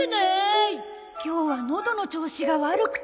今日はのどの調子が悪くて。